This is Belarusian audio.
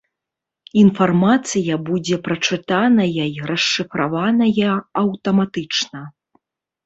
Інфармацыя будзе прачытаная і расшыфраваная аўтаматычна.